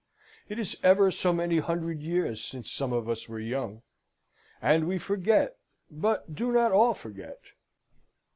It is ever so many hundred years since some of us were young; and we forget, but do not all forget.